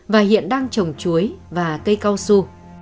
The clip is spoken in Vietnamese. và hiện đang trồng chuối và cây cao su